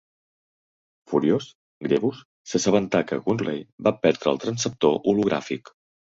Furiós, Grievous s'assabenta que Gunray va perdre el transceptor hologràfic.